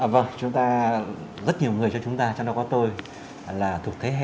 vâng rất nhiều người cho chúng ta trong đó có tôi là thuộc thế hệ